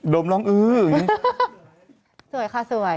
โดมร้องเอออย่างนี้